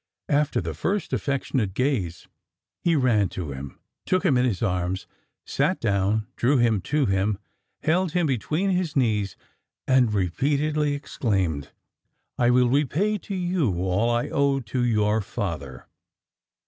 After the first affectionate gaze, he ran to him, took him in his arms, sat down, drew him to him, held him between his knees, and repeatedly exclaimed, "I will repay to you all I owe to your father."